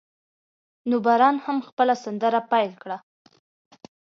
نو باران هم خپل سندره پیل کړه.